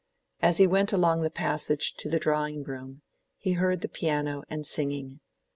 As he went along the passage to the drawing room, he heard the piano and singing.